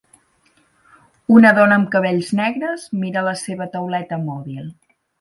Una dona amb cabells negres mira la seva tauleta mòbil.